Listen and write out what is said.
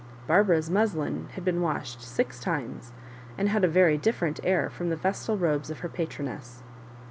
Barbara's muslin had been washed six times, and had a very different air from the vestal robes of her patroness.